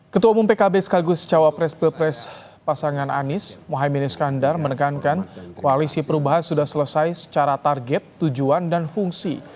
ketua umum pkb sekaligus cawapres pilpres pasangan anies mohaimin iskandar menekankan koalisi perubahan sudah selesai secara target tujuan dan fungsi